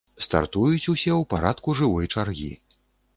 Стартуюць усе ў парадку жывой чаргі.